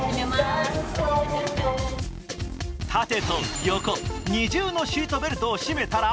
縦と横、二重のシートベルトを締めたら